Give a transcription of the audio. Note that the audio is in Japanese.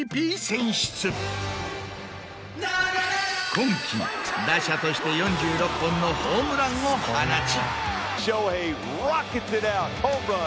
今期打者として４６本のホームランを放ち。